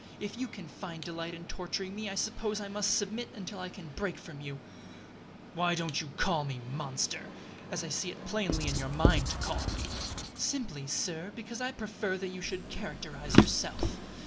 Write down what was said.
If you can find delight in torturing me I suppose I must submit until I can break from you." "Why don't you call me, Monster! as I see it plainly in your mind to call me?" "Simply, sir, because I prefer that you should characterize yourself."